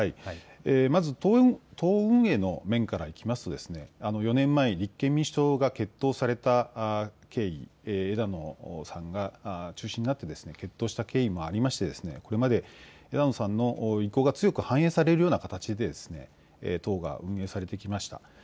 まず党運営の面からいきますと４年前、立憲民主党が結党された経緯、枝野さんが中心になって結党した経緯もありましてこれまで枝野さんの意向が強く反映されるような形で党が運営されてきました。